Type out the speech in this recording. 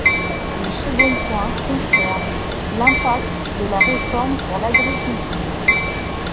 Le second point concerne l’impact de la réforme pour l’agriculture.